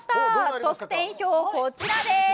得点表は、こちらです。